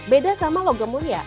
beda sama logam muria